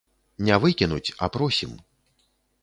Не выкінуць, а просім.